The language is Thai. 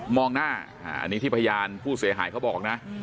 มองหน้าอันนี้ที่พยานผู้เสียหายเขาบอกนะ